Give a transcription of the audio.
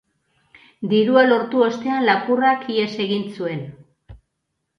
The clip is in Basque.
Dirua lortu ostean, lapurrak ihes egin zuen.